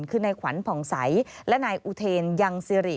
คือนายขวัญผ่องใสและนายอุเทนยังสิริ